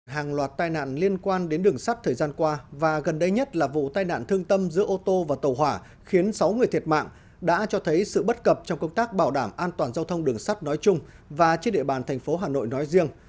hàng loạt tai nạn liên quan đến đường sắt thời gian qua và gần đây nhất là vụ tai nạn thương tâm giữa ô tô và tàu hỏa khiến sáu người thiệt mạng đã cho thấy sự bất cập trong công tác bảo đảm an toàn giao thông đường sắt nói chung và trên địa bàn thành phố hà nội nói riêng